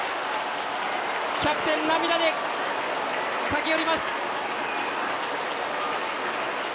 キャプテン、涙で駆け寄ります。